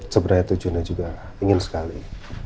sebenarnya tujuannya juga ingin sekali